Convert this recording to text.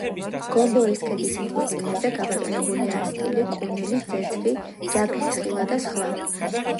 გომბორის ქედის მთისწინეთზე გაბატონებულია ასკილი, კუნელი, ძეძვი, ჯაგრცხილა და სხვა.